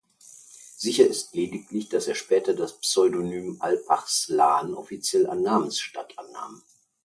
Sicher ist lediglich, dass er später das Pseudonym "Alparslan" offiziell an Namens statt annahm.